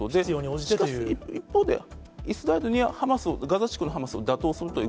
しかし一方で、イスラエルにはハマス、ガザ地区のハマスを打倒するという。